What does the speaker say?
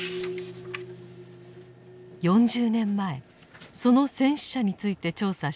４０年前その戦死者について調査した澤地さん。